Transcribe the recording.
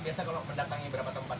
biasa kalau mendatangi beberapa tempat